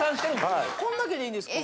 こんだけでいいんですか？